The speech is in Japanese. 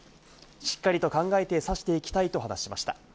しっかりと考えて指していきたいと話しました。